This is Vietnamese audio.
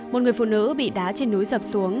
một người phụ nữ bị đá trên núi sập xuống